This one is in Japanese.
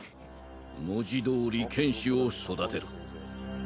「文字どおり剣士を育てる」